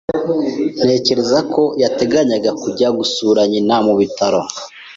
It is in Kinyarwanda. Ntekereza ko yateganyaga kujya gusura nyina mu bitaro.